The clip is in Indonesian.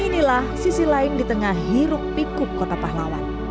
inilah sisi lain di tengah hiruk pikup kota pahlawan